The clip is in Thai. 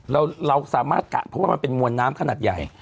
เราสามารถกะเพราะว่ามันเป็นมวลน้ำขนาดใหญ่